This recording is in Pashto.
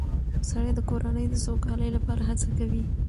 سړی د کورنۍ د سوکالۍ لپاره هڅه کوي